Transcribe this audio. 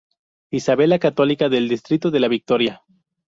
Isabel La Católica, del distrito de La Victoria.